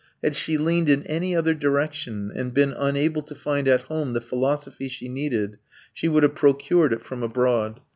Had she leaned in any other direction and been unable to find at home the philosophy she needed, she would have procured it from abroad.